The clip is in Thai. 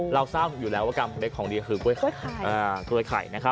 เราทราบอยู่แล้วว่ากำแพงเพชรของดีก็คือกล้วยไข่